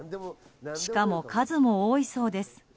しかも数も多いそうです。